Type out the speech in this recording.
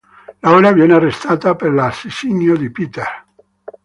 Laura viene arrestata per l'assasinio di Peter.